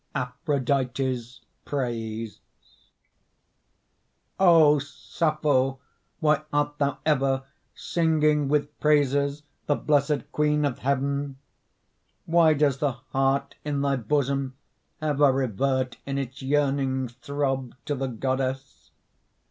APHRODITE'S PRAISE O Sappho, why art thou ever Singing with praises the blessed Queen of the heaven? Why does the heart in thy bosom Ever revert in its yearning Throb to the Goddess?